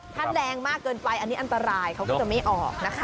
ถ้าแรงมากเกินไปอันนี้อันตรายเขาก็จะไม่ออกนะคะ